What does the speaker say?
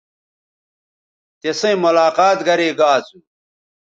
تِسئیں ملاقات گرے گا اسو